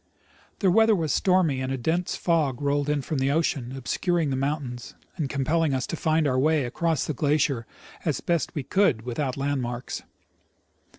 The weather was stormy, and a dense fog rolled in from the ocean, obscuring the mountains, and compelling us to find our way across the glacier as best we could without land marks.